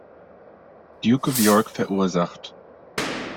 Duke of York verursacht.